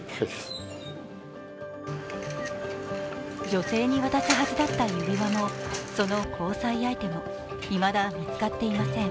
女性に渡すはずだった指輪もその交際相手も、いまだ見つかっていません。